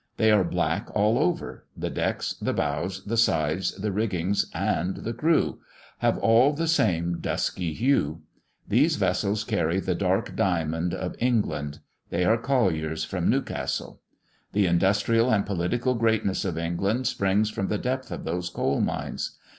They are black all over; the decks, the bows, the sides, the rigging, and the crew, have all the same dusky hue. These vessels carry the dark diamond of England they are colliers from Newcastle. The industrial and political greatness of England springs from the depth of those coal mines.